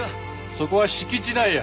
そこは敷地内や。